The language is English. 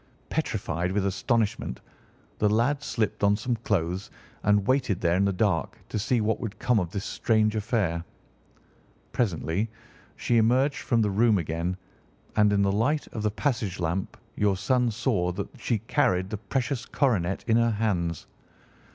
Petrified with astonishment, the lad slipped on some clothes and waited there in the dark to see what would come of this strange affair. Presently she emerged from the room again, and in the light of the passage lamp your son saw that she carried the precious coronet in her hands.